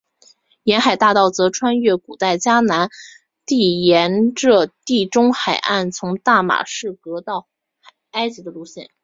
沿海大道则穿越古代迦南地沿着地中海岸从大马士革到埃及的路线。